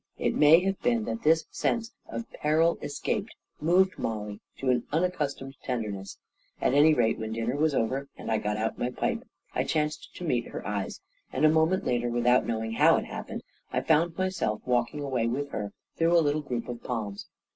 It may have been that this sense of peril escaped moved Mollie to an unaccustomed tenderness ; at any rate, when dinner was over and I got out my pipe, I chanced to meet her eyes ; and a moment later, with out knowing how it happened, I found myself walk 1 66 A KING IN BABYLON ing away with her through a little group of palms.